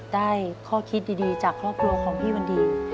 ได้ข้อคิดดีจากครอบครัวของพี่วันดี